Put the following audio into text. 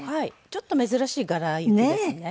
ちょっと珍しい柄行ですね。